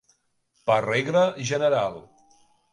Per regla general.